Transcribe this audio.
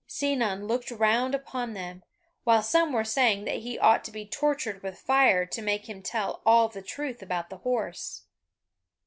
Sinon looked round upon them, while some were saying that he ought to be tortured with fire to make him tell all the truth about the horse.